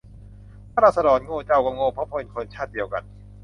ถ้าราษฎรโง่ เจ้าก็โง่ เพราะเป็นคนชาติเดียวกัน